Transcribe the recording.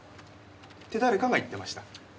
って誰かが言ってました。